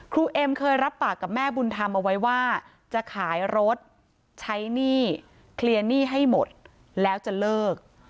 เอ็มเคยรับปากกับแม่บุญธรรมเอาไว้ว่าจะขายรถใช้หนี้เคลียร์หนี้ให้หมดแล้วจะเลิก